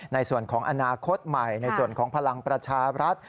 ในส่วนของอนาคตใหม่ในส่วนของพลังประชารัฐ